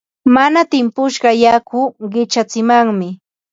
Mana timpushqa yaku qichatsimanmi.